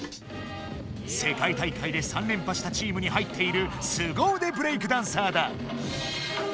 せかい大会で３れんぱしたチームに入っているすごうでブレイクダンサーだ。